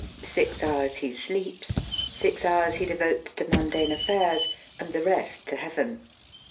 Six hours he sleeps, six hours he devotes to mundane affairs, and the rest to heaven.